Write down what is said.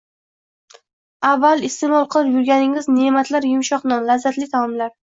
avval iste’mol qilib yurganingiz ne’matlar – yumshoq non, lazzatli taomlar